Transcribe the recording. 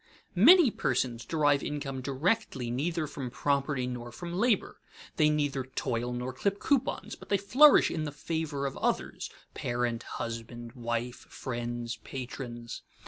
_ Many persons derive income directly neither from property nor from labor. They neither toil nor clip coupons, but they flourish in the favor of others parent, husband, wife, friends, patrons.